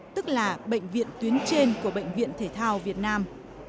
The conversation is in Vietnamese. tức là bệnh viện tuyến trên của bệnh viện thể thao việt nam